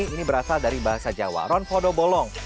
ini berasal dari bahasa jawa ronfodo bolong